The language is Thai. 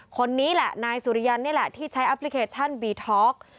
คนนี้แหละนายสุริยันนี่แหละที่ใช้แอปพลิเคชันบีท็อก